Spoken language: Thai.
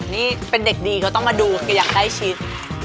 นี่เป็นเด็กดีเขาต้องมาดูอยากได้ชิ้น